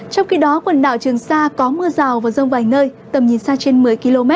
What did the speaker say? trong khi đó quần đảo trường sa có mưa rào và rông vài nơi tầm nhìn xa trên một mươi km